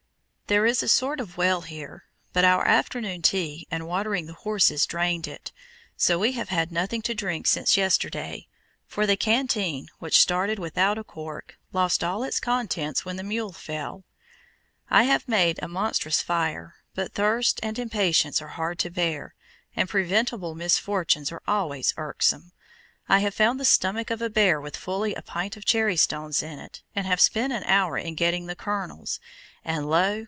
There is a sort of well here, but our "afternoon tea" and watering the horses drained it, so we have had nothing to drink since yesterday, for the canteen, which started without a cork, lost all its contents when the mule fell. I have made a monstrous fire, but thirst and impatience are hard to bear, and preventible misfortunes are always irksome. I have found the stomach of a bear with fully a pint of cherrystones in it, and have spent an hour in getting the kernels; and lo!